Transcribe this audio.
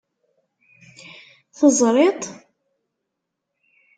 Teẓṛiḍ-t?